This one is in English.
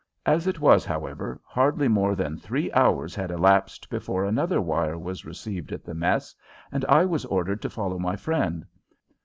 As it was, however, hardly more than three hours had elapsed before another wire was received at the Mess and I was ordered to follow my friend.